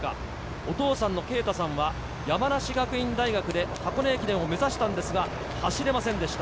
お父さんのけいたさんは山梨学院大学で箱根駅伝を目指したんですが走れませんでした。